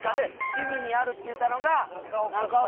ディズニーあるって言ったのが中岡さん。